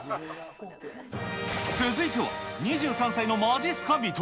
続いては、２３歳のまじっすか人。